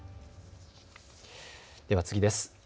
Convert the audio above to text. では次です。